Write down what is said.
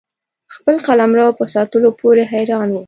خپل قلمرو په ساتلو پوري حیران وو.